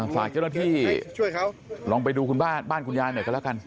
ฝากเจ้าหน้าที่ลองไปดูคุณบ้านคุณยายหน่อยกันแล้วกัน